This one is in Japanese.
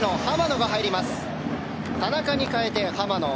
田中に代えて浜野。